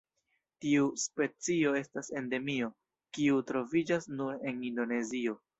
Tiu specio estas Endemio kiu troviĝas nur en Indonezio.